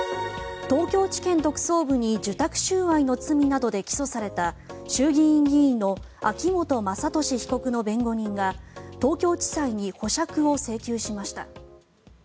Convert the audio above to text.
東京地検特捜部に受託収賄の罪などで起訴された衆議院議員の秋本真利被告の弁護人が東京地裁に保釈を請求しました。